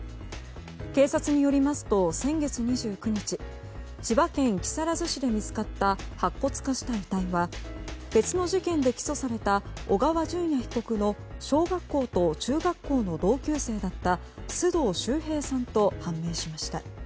警察によりますと先月２９日千葉県木更津市で見つかった白骨化した遺体は別の事件で起訴された小川順也被告の小学校と中学校の同級生だった須藤秀平さんと判明しました。